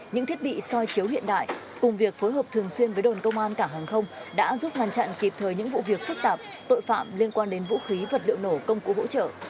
những thiết bị soi chiếu hiện đại cùng việc phối hợp thường xuyên với đồn công an cảng hàng không đã giúp ngăn chặn kịp thời những vụ việc phức tạp tội phạm liên quan đến vũ khí vật liệu nổ công cụ hỗ trợ